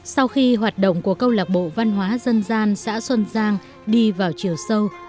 sau khi hoạt động của câu lạc bộ văn hóa dân gian xã xuân giang đi vào chiều sâu